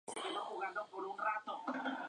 Funcionaria de la Administración de Justicia.